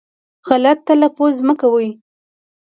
غلط تلفظ مه کوی